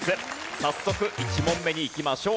早速１問目にいきましょう。